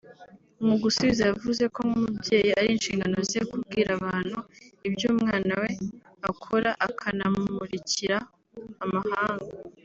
Mu gusubiza yavuze ko nk’umubyeyi ari inshingano ze kubwira abantu ibyo umwana we akora akanamumurikira amahanga